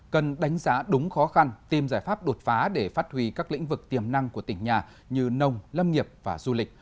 cần đánh giá đúng khó khăn tìm giải pháp đột phá để phát huy các lĩnh vực tiềm năng của tỉnh nhà như nông lâm nghiệp và du lịch